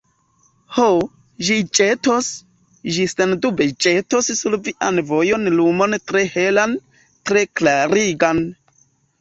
Ho, ĝi ĵetos, ĝi sendube ĵetos sur vian vojon lumon tre helan, tre klarigan!